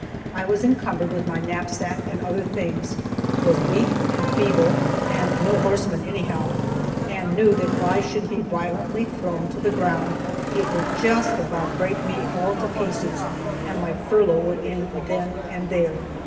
I was incumbered with my knapsack and other things, was weak and feeble, and no horseman anyhow, and knew that if I should be violently thrown to the ground, it would just about break me all to pieces, and my furlough would end then and there.